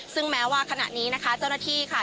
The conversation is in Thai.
ซึ่งแม้ว่าขณะนี้นะคะเจ้าหน้าที่ค่ะ